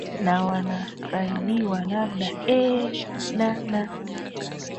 na wanasaidiwa labda eeeh na na